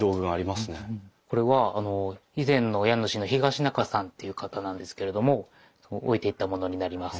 これは以前の家主の東仲さんっていう方なんですけれども置いていったものになります。